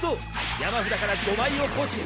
山札から５枚を墓地へ。